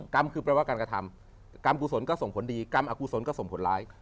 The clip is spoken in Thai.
กรรมคือแปลว่าการกระทำกรรมกุศลก็ส่งผลดีกรรมอกุศลก็ส่งผลร้าย